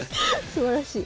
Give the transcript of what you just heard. すばらしい。